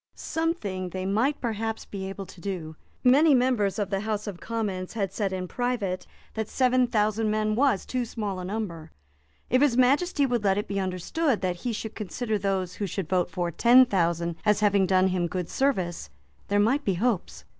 Something they might perhaps be able to do. Many members of the House of Commons had said in private that seven thousand men was too small a number. If His Majesty would let it be understood that he should consider those who should vote for ten thousand as having done him good service, there might be hopes.